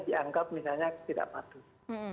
dianggap misalnya tidak patuh